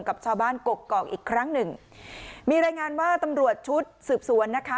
กับชาวบ้านกกอกอีกครั้งหนึ่งมีรายงานว่าตำรวจชุดสืบสวนนะคะ